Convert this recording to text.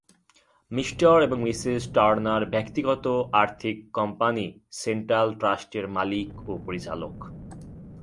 Me. এবং Mrs Turner ব্যক্তিগত আর্থিক কোম্পানি সেন্ট্রাল ট্রাস্টের মালিক ও পরিচালক।